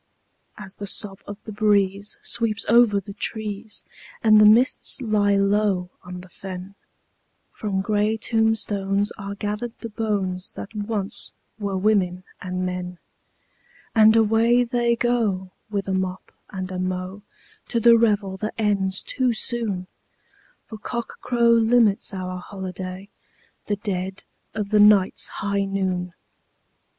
As the sob of the breeze sweeps over the trees, and the mists lie low on the fen, From grey tombstones are gathered the bones that once were women and men, And away they go, with a mop and a mow, to the revel that ends too soon, For cockcrow limits our holiday—the dead of the night's high noon!